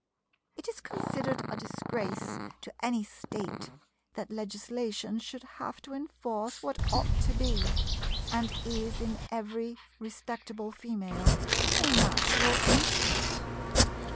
It is considered a disgrace to any state that legislation should have to enforce what ought to be, and is in every respectable female, a natural instinct.